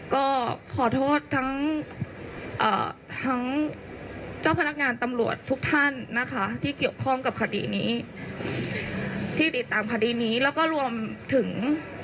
ก็ขอโทษทั้งเจ้าพนักงานตำรวจทุกท่านนะคะที่เกี่ยวข้องกับคดีนี้ที่ติดตามคดีนี้แล้วก็รวมถึง